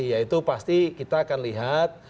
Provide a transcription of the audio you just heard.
ya itu pasti kita akan lihat